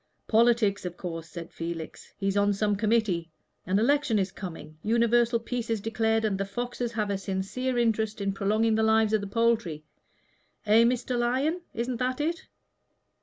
"Politics, of course," said Felix. "He's on some committee. An election is coming. Universal peace is declared, and the foxes have a sincere interest in prolonging the lives of the poultry. Eh, Mr. Lyon? Isn't that it?"